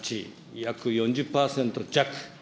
約４０％弱。